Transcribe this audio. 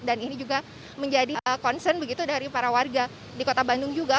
dan ini juga menjadi concern begitu dari para warga di kota bandung juga